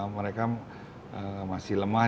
mereka masih lemah